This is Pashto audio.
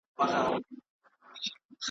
چي پر مځکه به را ولوېږې له پاسه .